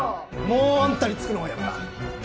もうあんたに付くのはやめた。